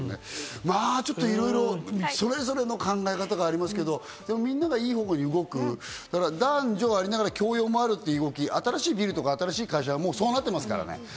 まぁ、ちょっといろいろ、それぞれの考え方がありますけど、みんながいい方向に動く、男女ありながら共用もあるという動き、新しいビルとか会社はそうなってますからね。